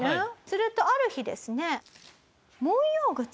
するとある日ですね。